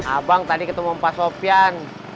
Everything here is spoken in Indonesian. abang tadi ketemu pak sopyan